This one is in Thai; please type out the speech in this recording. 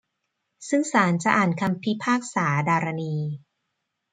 ซึ่งศาลจะอ่านคำพิพากษาดารณี